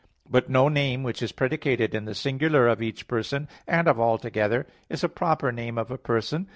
But no name which is predicated in the singular of each person and of all together, is a proper name of a person.